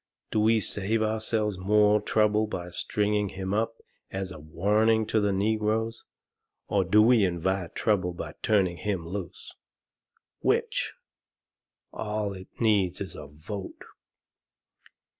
Do we save ourselves more trouble by stringing him up as a warning to the negroes? Or do we invite trouble by turning him loose? Which? All it needs is a vote."